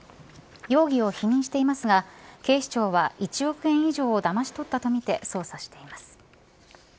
容疑を否認していますが警視庁は１億円以上をだまし取ったとみて捜査しています。